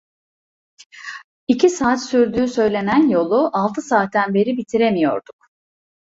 İki saat sürdüğü söylenen yolu, altı saatten beri bitir emiyorduk.